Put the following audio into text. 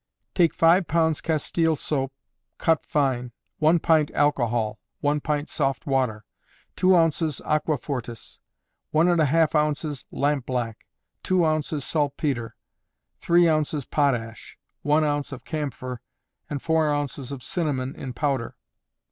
Take five pounds castile soap, cut fine; one pint alcohol; one pint soft water; two ounces aquafortis; one and a half ounces lampblack; two ounces of saltpetre; three ounces potash; one ounce of camphor; and four ounces of cinnamon, in powder.